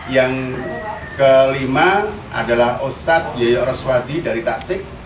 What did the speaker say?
yang kelima adalah ustadzah yaya roswati dari tasik